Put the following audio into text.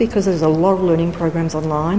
karena ada banyak program pelajaran online